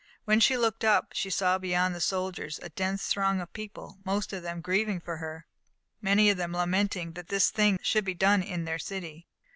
When she looked up, she saw beyond the soldiers a dense throng of people, most of them grieving for her, many of them lamenting that this thing should be done in their city.